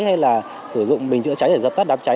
hay là sử dụng bình chữa cháy để dập tắt đám cháy